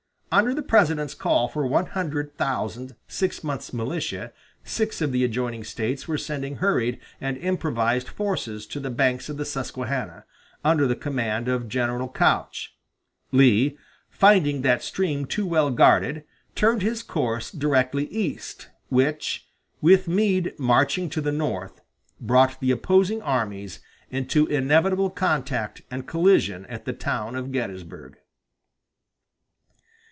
Under the President's call for one hundred thousand six months' militia six of the adjoining States were sending hurried and improvised forces to the banks of the Susquehanna, under the command of General Couch. Lee, finding that stream too well guarded, turned his course directly east, which, with Meade marching to the north, brought the opposing armies into inevitable contact and collision at the town of Gettysburg.